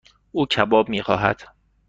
او کباب میخواهد.